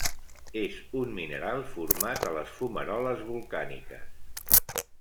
És un mineral format a les fumaroles volcàniques.